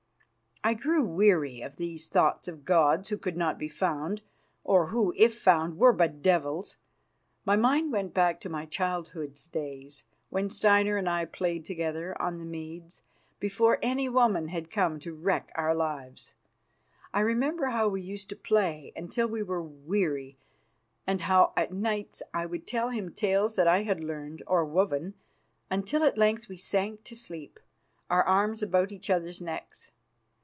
I grew weary of these thoughts of gods who could not be found, or who, if found, were but devils. My mind went back to my childhood's days, when Steinar and I played together on the meads, before any woman had come to wreck our lives. I remembered how we used to play until we were weary, and how at nights I would tell him tales that I had learned or woven, until at length we sank to sleep, our arms about each other's necks.